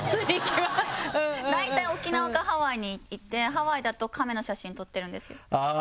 大体沖縄かハワイに行ってハワイだと亀の写真撮ってるんですよ。